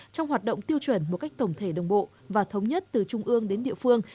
trong hoạt động tiêu chuẩn một cách tổng thể đồng bộ và thống nhất từ trung ương đến địa phương